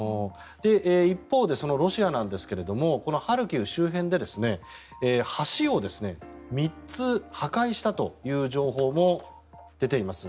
一方でロシアなんですがハルキウ周辺で橋を３つ破壊したという情報も出ています。